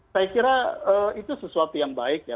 saya kira itu sesuatu yang baik ya